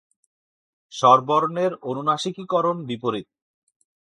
স্বরবর্ণের অনুনাসিকীকরণ বিপরীত।